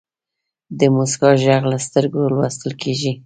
د موسکا ږغ له سترګو لوستل کېږي.